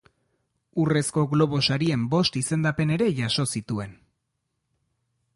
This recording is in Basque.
Urrezko Globo Sarien bost izendapen ere jaso zituen.